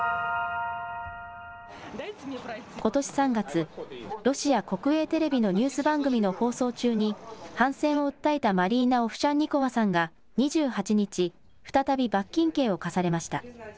ことし３月、ロシア国営テレビのニュース番組の放送中に、反戦を訴えたマリーナ・オフシャンニコワさんが２８日、再び罰金刑を科されました。